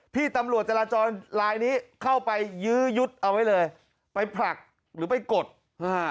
พี่ตำรวจจราจรลายนี้เข้าไปยื้อยุดเอาไว้เลยไปผลักหรือไปกดฮ่า